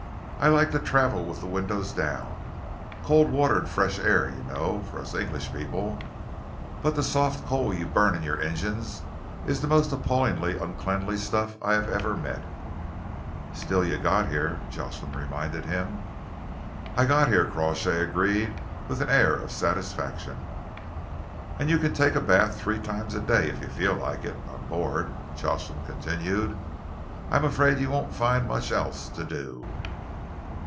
I like to travel with the windows down cold water and fresh air, you know, for us English people but the soft coal you burn in your engines is the most appalling uncleanly stuff I have ever met." "Still, you got here," Jocelyn reminded him. "I got here," Crawshay agreed with an air of satisfaction. "And you can take a bath three times a day, if you feel like it, on board," Jocelyn continued. "I'm afraid you won't find much else to do."